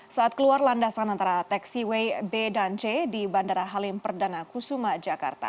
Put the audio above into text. saat keluar landasan antara taxiway b dan c di bandara halim perdana kusuma jakarta